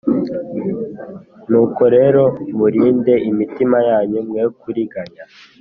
Nuko rero murinde imitima yanyu mwe kuriganya